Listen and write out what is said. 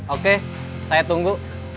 oke saya tunggu